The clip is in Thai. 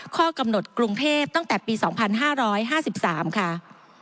ข้อกำหนดกรุงเทพตั้งแต่ปี๒๕๕๓ค่ะ